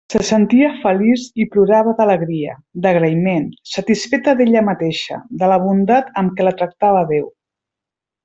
Se sentia feliç i plorava d'alegria, d'agraïment, satisfeta d'ella mateixa, de la bondat amb què la tractava Déu.